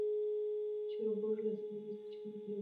چرګوړو له سهار راهیسې په چمن کې لوبې کولې.